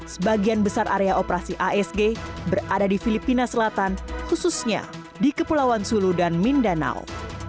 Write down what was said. sebagian besar area operasi asg berada di filipina selatan khususnya di kepulauan sulu dan mindanao